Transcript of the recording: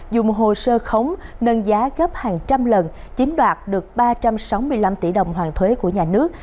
dùng hồ sơ khống nâng giá gấp hàng trăm lần chiếm đoạt được ba trăm sáu mươi năm tỷ đồng hoàn thuế của nhà nước